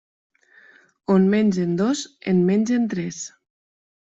On mengen dos en mengen tres.